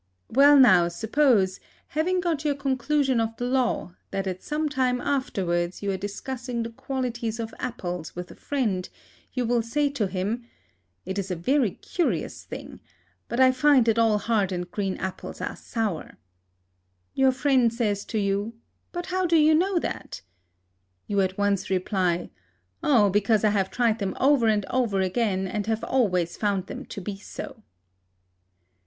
Well now, suppose, having got your conclusion of the law, that at some time afterwards, you are discussing the qualities of apples with a friend: you will say to him, "It is a very curious thing, but I find that all hard and green apples are sour!" Your friend says to you, "But how do you know that?" You at once reply, "Oh, because I have tried them over and over again, and have always found them to be so."